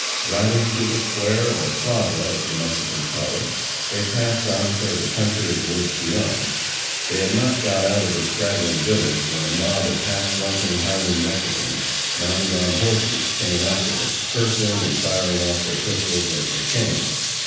Riding through the square, or plaza, as the Mexicans call it, they passed on toward the country of woods beyond. They had not got out of the straggling village, when a mob of half drunken, howling Mexicans, mounted on horses, came after them, cursing and firing off their pistols as they came.